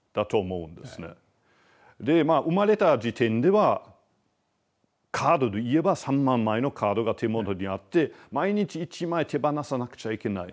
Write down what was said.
生まれた時点ではカードで言えば３万枚のカードが手元にあって毎日１枚手放さなくちゃいけない。